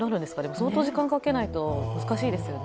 相当時間をかけないと難しいですよね。